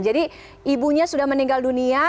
jadi ibunya sudah meninggal dunia